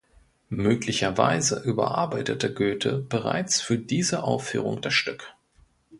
Möglicherweise überarbeitete Goethe bereits für diese Aufführung das Stück.